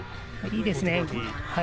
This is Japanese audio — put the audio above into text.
いいですね。